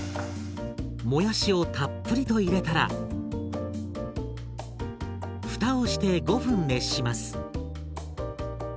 もやしをたっぷりと入れたら蓋をして５分熱します。